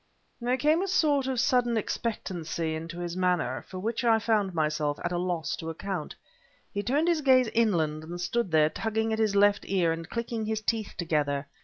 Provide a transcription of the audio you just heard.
'" There came a sort of sudden expectancy into his manner for which I found myself at a loss to account. He turned his gaze inland and stood there tugging at his left ear and clicking his teeth together.